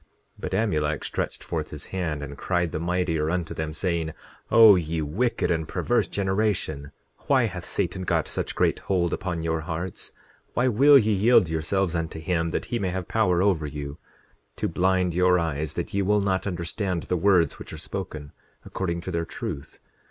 10:25 But Amulek stretched forth his hand, and cried the mightier unto them, saying: O ye wicked and perverse generation, why hath Satan got such great hold upon your hearts? Why will ye yield yourselves unto him that he may have power over you, to blind your eyes, that ye will not understand the words which are spoken, according to their truth?